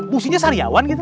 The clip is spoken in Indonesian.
businya sariawan gitu